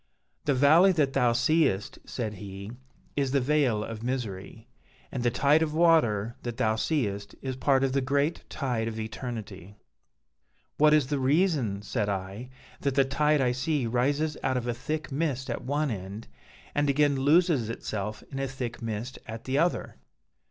'The valley that thou seest,' said he, 'is the Vale of Misery, and the Tide of Water that thou seest is part of the great Tide of Eternity,' 'What is the reason,' said I, 'that the tide I see rises out of a thick mist at one end, and again loses itself in a thick mist at the other?'